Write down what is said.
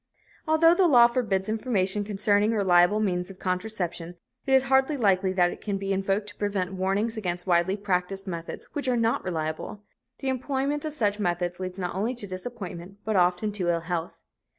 Although the law forbids information concerning reliable means of contraception, it is hardly likely that it can be invoked to prevent warnings against widely practiced methods which are NOT reliable. The employment of such methods leads not only to disappointment but often to ill health.